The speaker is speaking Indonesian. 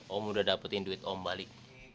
om udah dapetin duit om balik